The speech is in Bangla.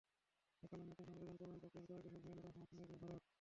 নেপালের নতুন সংবিধান প্রণয়ন প্রক্রিয়ায় কয়েক দশক ধরেই অন্যতম সমর্থনকারী দেশ ভারত।